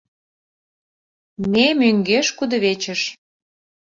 Ме — мӧҥгеш кудывечыш.